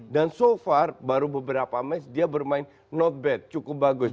so far baru beberapa match dia bermain not bad cukup bagus